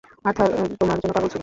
Arthur তোমার জন্য পাগল ছিল।